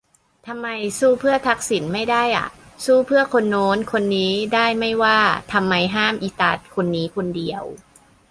ทำไม สู้เพื่อทักษิณ ไม่ได้อ่ะ ? สู้เพื่อคนโน้นคนนี้ได้ไม่ว่า ทำไมห้ามอีตาคนนี้คนเดียว